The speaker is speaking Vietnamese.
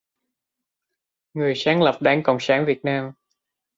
người sáng lập Đảng Cộng sản Việt Nam